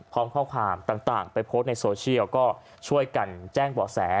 พร้อมข้อความต่างไปโพสต์ในโซเชียลก็ช่วยกันแจ้งเบาะแส